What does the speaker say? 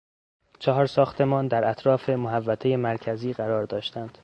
چهار ساختمان در اطراف محوطهی مرکزی قرار داشتند.